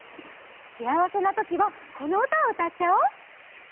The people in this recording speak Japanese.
しあわせなときはこのうたをうたっちゃおう。